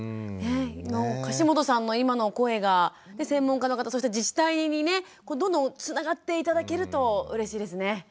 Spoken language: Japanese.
樫本さんの今の声が専門家の方そして自治体にねどんどんつながって頂けるとうれしいですね。